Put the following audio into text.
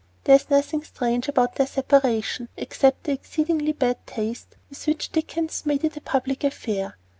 There is nothing strange about their separation, except the exceedingly bad taste with which Dickens made it a public affair.